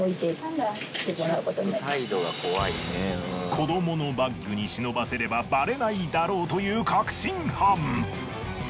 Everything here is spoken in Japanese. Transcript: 子どものバッグに忍ばせればバレないだろうという確信犯。